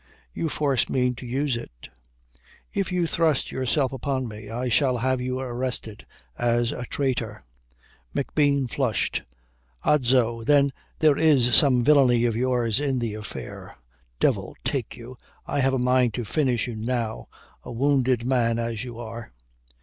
You force me to use it. If you thrust yourself upon me I shall have you arrested as a traitor." McBean flushed. "Odso, then there is some villainy of yours in the affair! Devil take you, I have a mind to finish you now, a wounded man as you are."